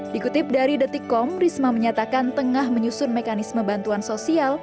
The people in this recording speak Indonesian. dikutip dari detikkom risma menyatakan tengah menyusun mekanisme bantuan sosial